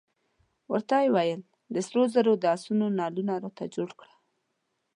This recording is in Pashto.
ورته یې وویل د سرو زرو د آس نعلونه راته جوړ کړه.